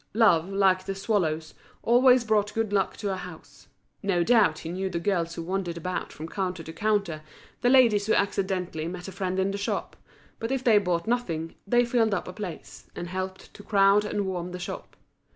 Love, like the swallows, always brought good luck to a house. No doubt he knew the girls who wandered about from counter to counter, the ladies who accidentally met a friend in the shop; but if they bought nothing, they filled up a place, and helped to crowd and warm the shop.